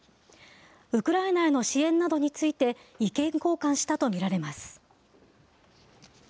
ウクライナへの支援などについて意見交換したと見られます。